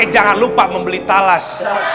jangan lupa membeli talas